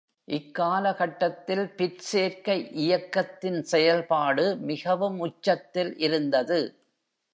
இக்கால கட்டத்தில் பிற்சேர்க்கை இயக்கத்தின் செயல்பாடு மிகவும் உச்சத்தில் இருந்தது.